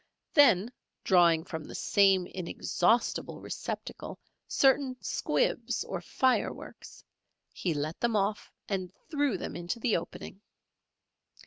Then drawing from the same inexhaustible receptacle certain squibs or fireworks, he let them off and threw them into the opening.